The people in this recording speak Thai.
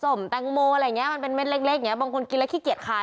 สมแตงโมอะไรอย่างเงี้ยมันเป็นเม็ดเล็กบางคนกินแล้วขี้เกียจคาย